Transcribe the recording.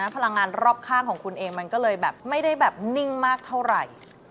พลังงานรอบข้างของคุณเองมันก็เลยแบบไม่ได้แบบนิ่งมากเท่าไหร่